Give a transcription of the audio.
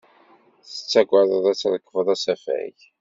Tettagaded ad trekbed asafag.